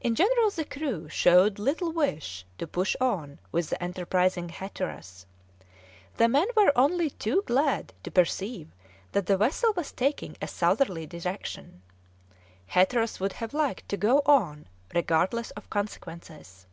In general the crew showed little wish to push on with the enterprising Hatteras; the men were only too glad to perceive that the vessel was taking a southerly direction. Hatteras would have liked to go on regardless of consequences.